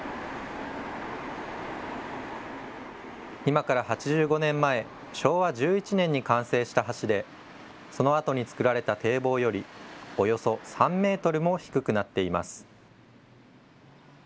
今から８５年前、昭和１１年に完成した橋でそのあとに作られた堤防よりおよそ３メートルも低くなっています。